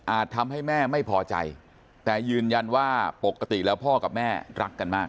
ทำให้แม่ไม่พอใจแต่ยืนยันว่าปกติแล้วพ่อกับแม่รักกันมาก